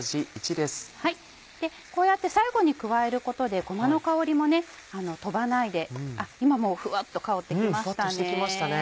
こうやって最後に加えることでごまの香りも飛ばないであっ今もうふわっと香って来ましたね。